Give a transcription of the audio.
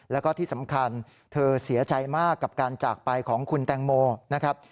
แล้วก็ที่สำคัญเธอเสียใจมากกับการจากไปของคุณแตงโมนะครับ